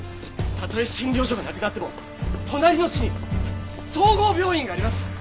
たとえ診療所がなくなっても隣の市に総合病院があります。